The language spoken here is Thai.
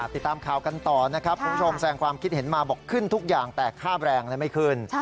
ติดตามข่าวกันต่อนะครับคุณผู้ชมแสงความคิดเห็นมาบอกขึ้นทุกอย่างแต่ค่าแรงไม่ขึ้น